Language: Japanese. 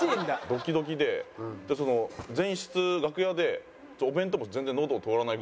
ドキドキで前室楽屋でお弁当も全然のどを通らないぐらい。